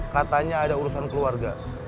katanya ada urusan keluarga